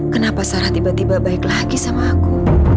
kenapa sarah tiba tiba baik lagi sama aku